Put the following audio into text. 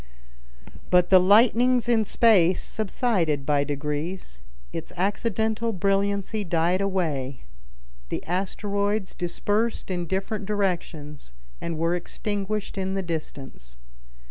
But the lightnings in space subsided by degrees; its accidental brilliancy died away; the asteroids dispersed in different directions and were extinguished in the distance.